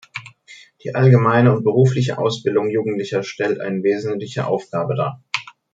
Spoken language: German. Die allgemeine und berufliche Ausbildung Jugendlicher stellt eine wesentliche Aufgabe dar.